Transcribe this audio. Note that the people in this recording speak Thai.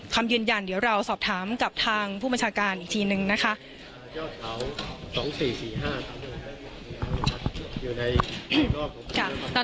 คำยืนยันเดี๋ยวเราสอบถามกับทางผู้บัญชาการอีกทีนึงนะคะ